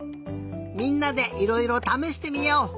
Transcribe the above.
みんなでいろいろためしてみよう！